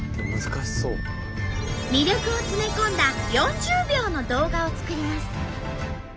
魅力を詰め込んだ４０秒の動画を作ります。